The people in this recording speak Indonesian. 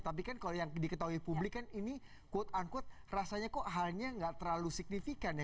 tapi kan kalau yang diketahui publik kan ini quote unquote rasanya kok halnya nggak terlalu signifikan ya